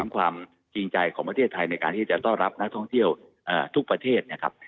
ความจริงใจของประเทศไทยในการที่จะต้อนรับนักท่องเที่ยวทุกประเทศนะครับ